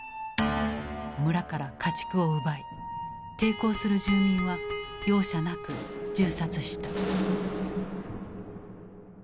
村から家畜を奪い抵抗する住民は容赦なく銃殺した。